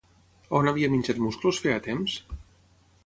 On havia menjat musclos feia temps?